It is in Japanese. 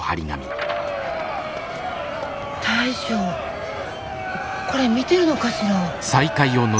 大将これ見てるのかしら。